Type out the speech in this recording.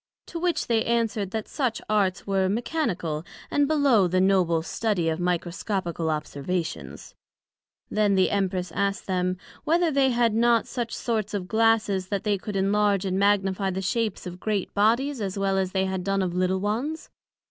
To which they answered, That such Arts were mechanical and below the noble study of Microscopical observations. Then the Empress asked them, Whether they had not such sorts of Glasses that could enlarge and magnifie the shapes of great Bodies as well as they had done of little ones?